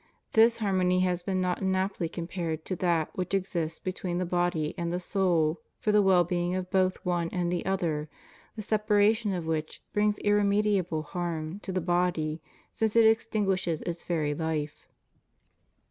This harmony has been not inaptly compared to that which exists between the body and the soul for the well being of both one and the other, the separation of which brings irremediable harm to the body, since it extinguishes its very life.